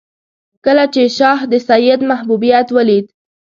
کله چې شاه د سید محبوبیت ولید.